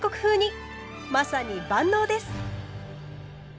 まさに万能です！